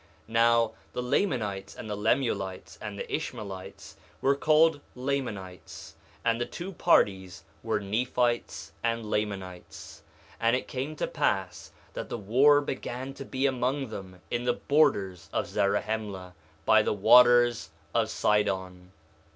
1:9 Now the Lamanites and the Lemuelites and the Ishmaelites were called Lamanites, and the two parties were Nephites and Lamanites. 1:10 And it came to pass that the war began to be among them in the borders of Zarahemla, by the waters of Sidon.